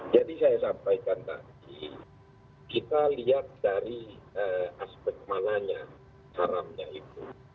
jadi saya sampaikan tadi kita lihat dari aspek malanya haramnya itu